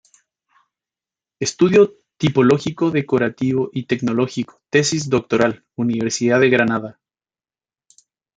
Estudio tipológico, decorativo y tecnológico, Tesis Doctoral", Universidad de Granada.